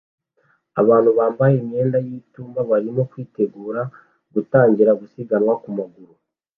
Abantu bambaye imyenda y'itumba barimo kwitegura gutangira gusiganwa ku maguru